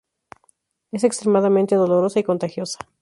Es extremadamente dolorosa y contagiosa.